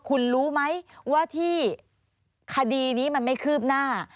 คุณรู้ไหมว่าที่คดีนี้มันไม่คืบหน้า